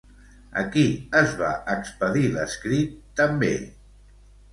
A qui es va expedir l'escrit també?